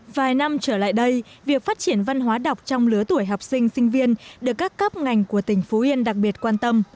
vài năm trở lại đây việc phát triển văn hóa đọc trong lứa tuổi học sinh sinh viên được các cấp ngành của tỉnh phú yên đặc biệt quan tâm